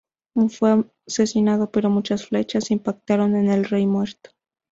Fue asesinado, pero muchas flechas impactaron en el rey muerto.